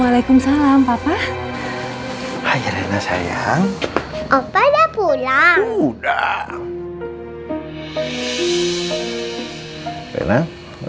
waalaikumsalam papa hai rena sayang opo udah pulang udah